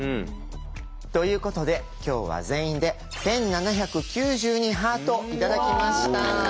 ということで今日は全員で１７９２ハート頂きました。